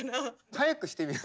速くしてみる？